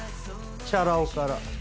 チャラ男から。